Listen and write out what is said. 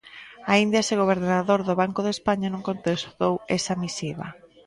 Aínda ese gobernador do Banco de España non contestou esa misiva.